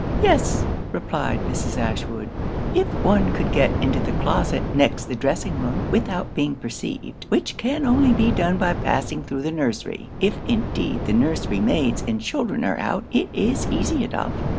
'Yes,' replied Mrs. Ashwood, 'if one could get into the closet next the dressing room without being perceived, which can only be done by passing thro' the nursery. If indeed the nursery maids and children are out, it is easy enough.'